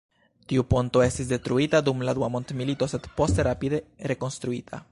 Tiu ponto estis detruita dum la dua mondmilito, sed poste rapide rekonstruita.